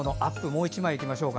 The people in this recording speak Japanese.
もう１枚いきましょう。